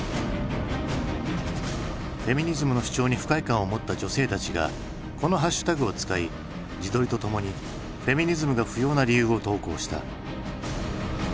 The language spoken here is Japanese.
フェミニズムの主張に不快感を持った女性たちがこのハッシュタグを使い自撮りとともにフェミニズムが不要な理由を投稿した。